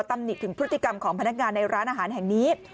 ตำหนิถึงพฤติกรรมของพนักงานในร้านอาหารแห่งนี้